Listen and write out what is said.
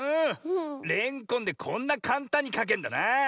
レンコンでこんなかんたんにかけんだなあ。